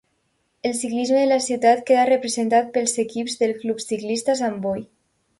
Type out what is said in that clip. El ciclisme de la ciutat queda representat pels equips del Club Ciclista Sant Boi.